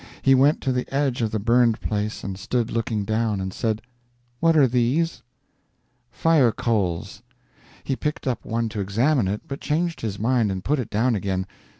He went to the edge of the burned place and stood looking down, and said: "What are these?" "Fire coals." He picked up one to examine it, but changed his mind and put it down again.